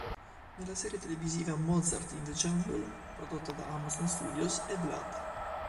Nella serie televisiva Mozart in the Jungle, prodotta da Amazon Studios, è Vlad.